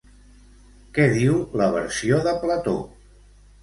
Què diu la versió de Plató?